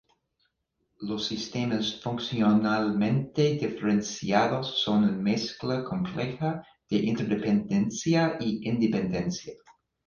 Los sistemas funcionalmente diferenciados son una mezcla compleja de interdependencia e independencia.